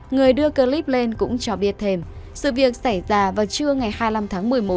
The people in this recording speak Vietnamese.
người đưa clip lên cũng cho biết thêm sự việc xảy ra vào trưa ngày hai mươi năm tháng một mươi một